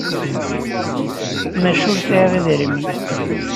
Maca ur sɛiɣ idrimen.